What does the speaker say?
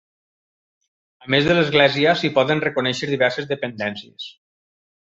A més de l'església, s'hi poden reconèixer diverses dependències.